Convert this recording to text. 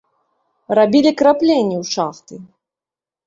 Рабілі крапленні ў шахты.